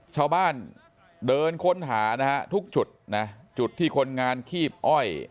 ชาวบ้านเดินค้นหานะฮะทุกจุดนะจุดที่คนงานคีบอ้อย